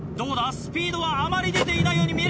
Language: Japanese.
スピードはあまり出ていないように見えるが。